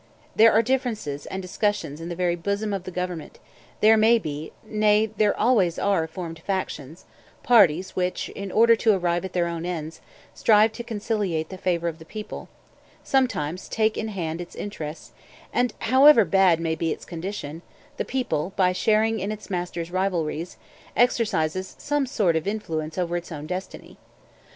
There are differences and discussions in the very bosom of the government; there may be, nay, there always are, formed factions, parties which, in order to arrive at their own ends, strive to conciliate the favor of the people, sometimes take in hand its interests, and, however bad may be its condition, the people, by sharing in its masters' rivalries, exercises some sort of influence over its own destiny.